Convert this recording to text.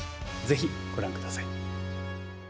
ぜひご覧ください。